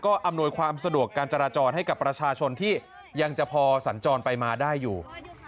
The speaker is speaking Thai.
อำนวยความสะดวกการจราจรให้กับประชาชนที่ยังจะพอสัญจรไปมาได้อยู่